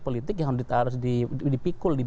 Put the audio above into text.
politik yang harus dipikul